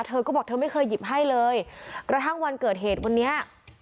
เธอก็บอกเธอไม่เคยหยิบให้เลยกระทั่งวันเกิดเหตุวันนี้